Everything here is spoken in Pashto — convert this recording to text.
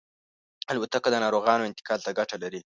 الوتکه د ناروغانو انتقال ته ګټه لري.